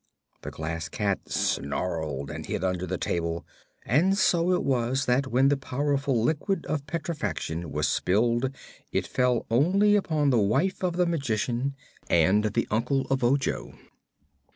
The Glass Cat snarled and hid under the table, and so it was that when the powerful Liquid of Petrifaction was spilled it fell only upon the wife of the Magician and the uncle of Ojo.